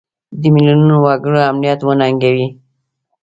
د میلیونونو وګړو امنیت وننګوي.